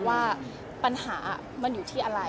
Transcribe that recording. ว่าปัญหามันอยู่ที่อะไร